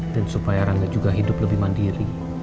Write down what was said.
dan supaya rangga juga hidup lebih mandiri